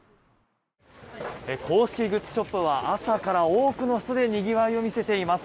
公式グッズショップは朝から多くの人でにぎわいを見せています。